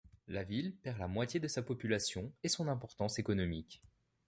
La ville perd la moitié de sa population et son importance économique.